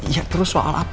ya terus soal apa